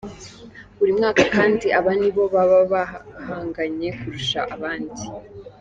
buri mwaka kandi, aba ni bo baba bahanganye kurusha abandi.